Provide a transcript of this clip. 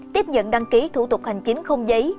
tiếp nhận đăng ký thủ tục hành chính khu vực